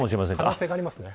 可能性がありますね。